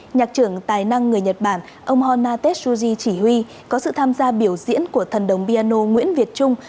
nhạc trưởng tài năng người nhật bản ông hona tetsuji chỉ huy có sự tham gia biểu diễn của thần đồng piano nguyễn việt trung